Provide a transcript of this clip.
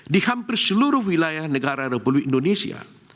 di hampir seluruh wilayah negara republik indonesia